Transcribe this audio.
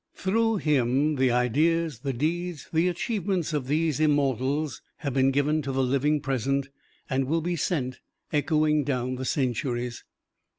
Through him, the ideas, the deeds, the achievements of these immortals have been given to the living present and will be sent echoing down the centuries.